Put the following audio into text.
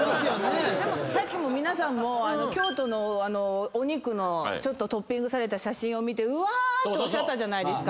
でも皆さんも京都のお肉のトッピングされた写真を見て「うわ」っておっしゃったじゃないですか。